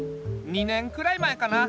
２年くらい前かな。